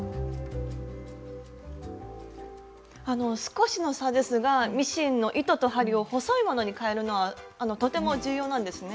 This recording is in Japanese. あの少しの差ですがミシンの糸と針を細いものにかえるのはとても重要なんですね。